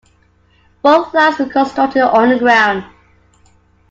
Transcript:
Both lines were constructed underground.